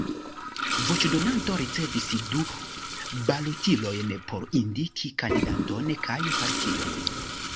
Voĉdonanto ricevis du balotilojn por indiki kandidaton kaj partion.